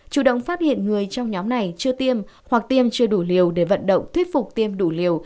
chủ động phát hiện người trong nhóm này chưa tiêm hoặc tiêm chưa đủ liều để vận động thuyết phục tiêm đủ liều